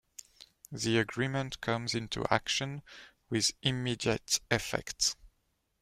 The agreement comes into action with immediate effect.